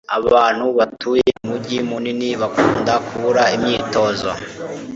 Abantu batuye mumujyi munini bakunda kubura imyitozo